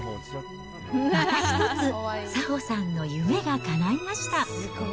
また一つ、早穂さんの夢がかないました。